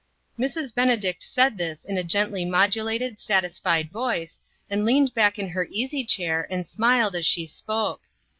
Mrs. Benedict said this in a gently modu lated, satisfied voice, and leaned back in .her easy chair and smiled as she spoke.